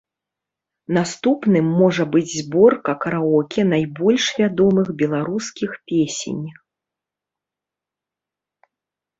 Наступным можа быць зборка караоке найбольш вядомых беларускіх песень.